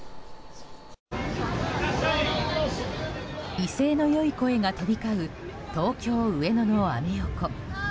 威勢の良い声が飛び交う東京・上野のアメ横。